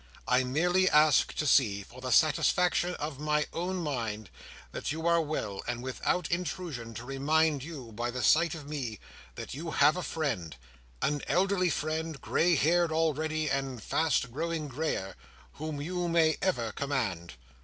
I merely ask to see, for the satisfaction of my own mind, that you are well, and without intrusion to remind you, by the sight of me, that you have a friend—an elderly friend, grey haired already, and fast growing greyer—whom you may ever command."